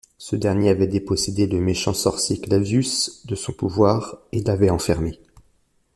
Ce dernier avait dépossédé le méchant sorcier Clavius de ses pouvoirs et l'avait enfermé.